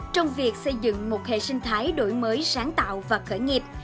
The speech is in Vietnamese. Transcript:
trong việc xây dựng một hệ sinh thái đổi mới sáng tạo và khởi nghiệp